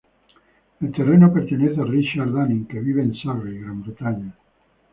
El terreno pertenece a Richard Dunning, que vive en Surrey, Gran Bretaña.